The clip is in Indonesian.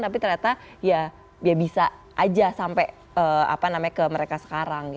tapi ternyata ya bisa aja sampai ke mereka sekarang